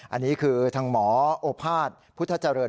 อันนี้คือทางหมอโอภาษพุทธเจริญ